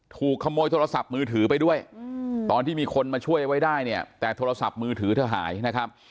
ถูกขโมยโทรศัพท์มือถือไปด้วยตอนที่มีคนมาช่วยไว้ได้เนี่ยแต่โทรศัพท์มือถือเธอหายนะครับ